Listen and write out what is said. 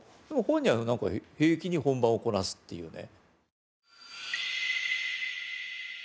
でも本人はなんか平気に本番をこなすっていうね。